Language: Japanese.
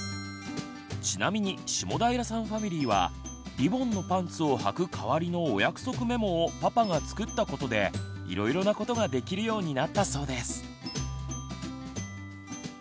ちなみに下平さんファミリーはリボンのパンツをはく代わりのお約束メモをパパが作ったことでいろいろなことができるようになったそうです！